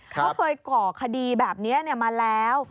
เขาเคยก่อคดีแบบนี้มาแล้ว